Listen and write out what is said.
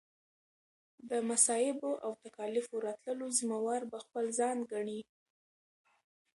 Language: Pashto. د مصائبو او تکاليفو راتللو ذمه وار به خپل ځان ګڼي